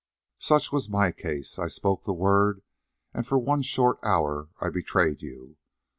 "Such was my case: I spoke the word and for one short hour I betrayed you.